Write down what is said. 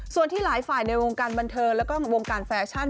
ส่วนที่หลายฝ่ายในวงการบันเทิงแล้วก็วงการแฟชั่น